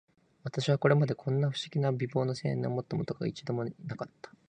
私はこれまで、こんな不思議な美貌の青年を見た事が、一度も無かった